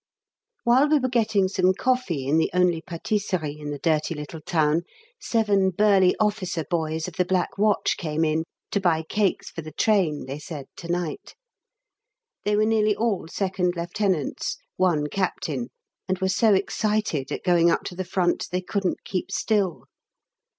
While we were getting some coffee in the only patisserie in the dirty little town, seven burly officer boys of the Black Watch came in to buy cakes for the train, they said, to night. They were nearly all second lieutenants, one captain, and were so excited at going up to the Front they couldn't keep still.